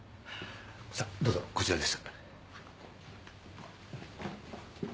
さぁどうぞこちらです。